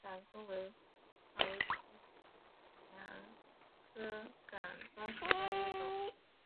岗松为桃金娘科岗松属下的一个种。